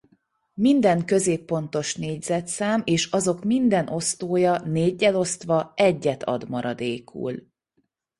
Minden középpontos négyzetszám és azok minden osztója néggyel osztva egyet ad maradékul.